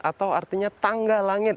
atau artinya tangga langit